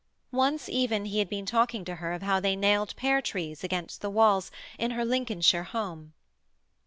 Once even he had been talking to her of how they nailed pear trees against the walls in her Lincolnshire home.